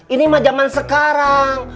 ini mah zaman sekarang